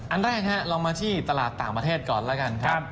อันแรกฮะลองมาที่ตลาดต่างประเทศก่อนแล้วกันครับ